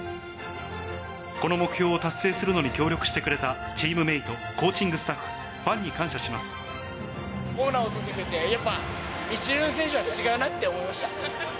この目標を達成するのに協力してくれたチームメート、コーチングホームランを打ち続けて、やっぱ一流の選手は違うなって思いました。